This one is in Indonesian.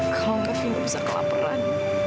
kalau gak fyur bisa kelaparan